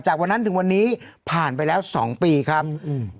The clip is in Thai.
จากวันนั้นถึงวันนี้ผ่านไปแล้วสองปีครับอืม